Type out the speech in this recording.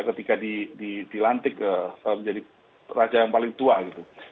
ketika dilantik menjadi raja yang paling tua gitu